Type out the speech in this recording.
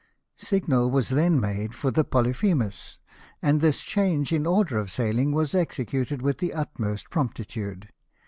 Signal was then made for the Polyphemus, and this change in the order of sailing was executed with the utmost promptitude.